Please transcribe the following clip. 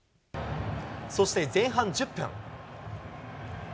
そして前半１０分。